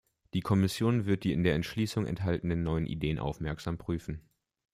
Die Kommission wird die in der Entschließung enthaltenen neuen Ideen aufmerksam prüfen.